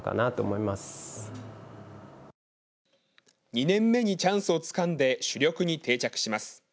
２年目にチャンスをつかんで主力に定着します。